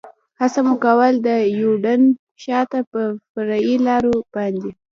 هڅه مو کول، د یوډین شاته پر فرعي لارو باندې.